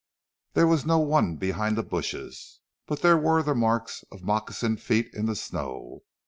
There was no one behind the bushes, but there were the marks of moccasined feet in the snow.